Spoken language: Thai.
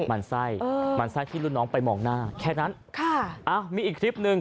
มันไส้มันไส้ที่รุ่นน้องไปมองหน้าแค่นั้นค่ะอ้าวมีอีกคลิปหนึ่ง